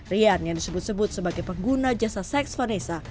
rian yang disebut sebut sebagai pengguna jasa seks vanessa